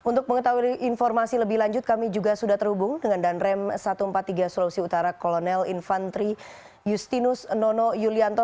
untuk mengetahui informasi lebih lanjut kami juga sudah terhubung dengan danrem satu ratus empat puluh tiga sulawesi utara kolonel infantri justinus nono yulianto